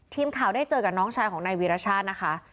ทีมข่าวใช้โชคอยู่กับน้องชายของนายวิรชาตินะคะ